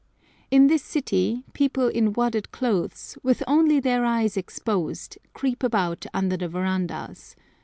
In this city people in wadded clothes, with only their eyes exposed, creep about under the verandahs.